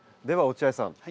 では落合さん。